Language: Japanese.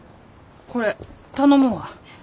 これ頼むわ。